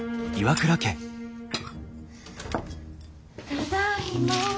ただいま。